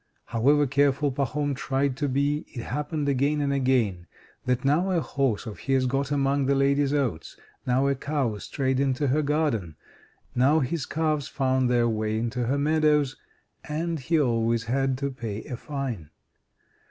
However careful Pahom tried to be, it happened again and again that now a horse of his got among the lady's oats, now a cow strayed into her garden, now his calves found their way into her meadows and he always had to pay a fine.